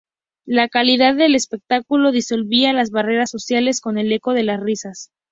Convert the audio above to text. La calidad del espectáculo disolvía las barreras sociales con el eco de las risas.